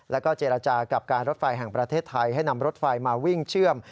แล้วก็เจรจากับการรถไฟแห่งประเทศไทยให้นำรถไฟมาวิ่งเชื่อม